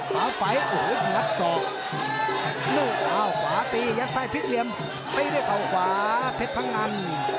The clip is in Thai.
ไปด้วยเข้าขวาเพชรพังงัน